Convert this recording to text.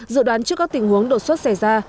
dự đoán trước các tình huống đột xuất xảy ra